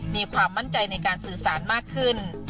มีความมั่นใจในการสื่อสารมากขึ้น